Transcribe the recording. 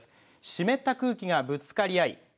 湿った空気がぶつかり合い